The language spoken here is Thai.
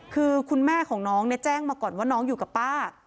คือคุณแม่ของน้องเนี่ยแจ้งมาก่อนว่าน้องอยู่กับป้า